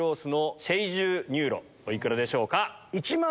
お幾らでしょうか？